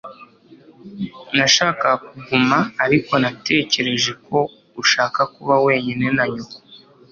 Nashakaga kuguma, ariko natekereje ko ushaka kuba wenyine na nyoko.